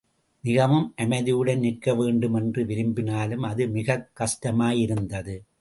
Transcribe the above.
மிகவும் அமைதியுடன் நிற்க வேண்டுமென்று விரும்பினாலும் அது மிகக் கஷ்டமாயிருந்தது.